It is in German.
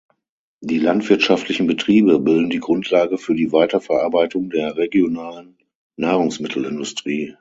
Die landwirtschaftlichen Betriebe bilden die Grundlage für die Weiterverarbeitung der regionalen Nahrungsmittelindustrie.